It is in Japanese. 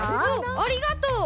ありがとう。